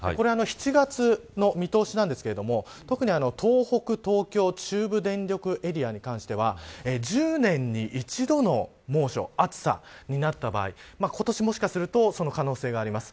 ７月の見通しなんですけれども特に東北・東京・中部電力エリアに関しては１０年に一度の猛暑暑さになった場合今年、もしかするとこの可能性があります。